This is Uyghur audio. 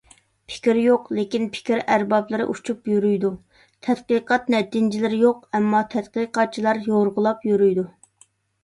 پىكىر يوق، لېكىن «پىكىر ئەربابلىرى» ئۇچۇپ يۈرىيدۇ، تەتقىقات نەتىجىلىرى يوق، ئەمما «تەتقىقاتچىلار» يورغىلاپ يۈرىيدۇ.